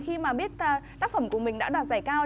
khi mà biết tác phẩm của mình đã đoạt giải cao